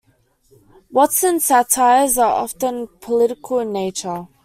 Watson's satires are often political in nature.